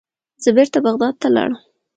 زه بیرته بغداد ته لاړم.